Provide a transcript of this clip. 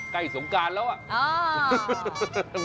ไก่สงการแล้ว